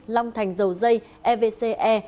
long thành dầu dây evcn